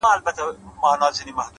تمرکز بریا ته لنډه لاره جوړوي’